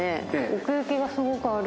奥行きがすごくある。